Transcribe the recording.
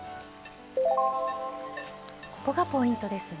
ここがポイントですね。